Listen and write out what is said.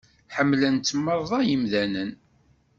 Ḥemmlen-tt meṛṛa yemdanen.